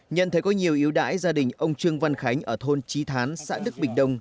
nhận thấy có nhiều yếu đải gia đình ông trương văn khánh ở thôn trí thán xã đức bình đông